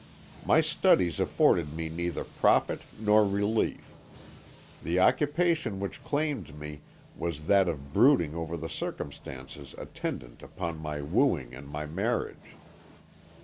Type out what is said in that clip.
My studies afforded me neither profit nor relief. The occupation which claimed me was that of brooding over the circumstances attendant upon my wooing and my marriage.